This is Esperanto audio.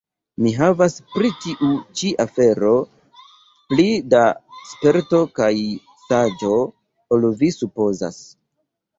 Mi havas pri tiu ĉi afero pli da sperto kaj saĝo ol vi supozas.